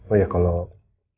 oh ya kalau